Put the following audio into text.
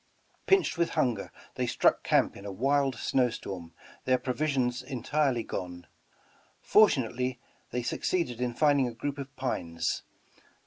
Pinched with hunger, they struck camp in a wild snow storm, their provisions entirely gone. Fortunately they succeeded in finding a group of pines.